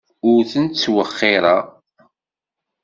Ur tent-ttwexxireɣ.